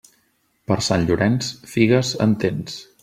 Per Sant Llorenç, figues, en tens.